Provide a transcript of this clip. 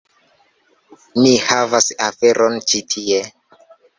Ni havas aferon ĉi tie.